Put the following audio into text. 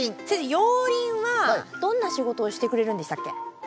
先生熔リンはどんな仕事をしてくれるんでしたっけ？